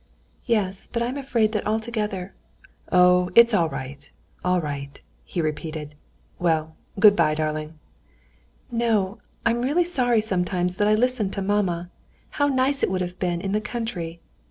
"Yes, but I'm afraid that altogether...." "Oh, it's all right, all right," he repeated. "Well, good bye, darling." "No, I'm really sorry sometimes that I listened to mamma. How nice it would have been in the country!